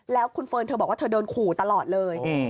แล้วคุณเฟิร์นเธอบอกว่าเธอโดนขู่ตลอดเลย